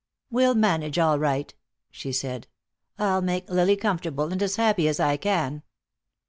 "We'll manage all right," she said. "I'll make Lily comfortable and as happy as I can."